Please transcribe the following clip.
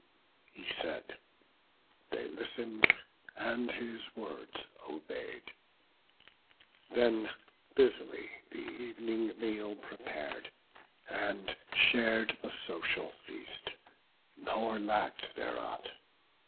He said; they listen'd, and his words obey'd; Then busily the ev'ning meal prepar'd, And shar'd the social feast; nor lack'd there aught.